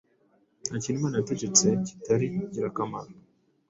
Nta kintu Imana yategetse kitari ingirakamaro,